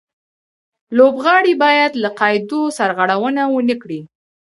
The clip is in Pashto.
لوبغاړي باید له قاعدو سرغړونه و نه کړي.